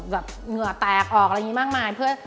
เหงื่อแตกออกอะไรอย่างนี้มากมายเพื่อ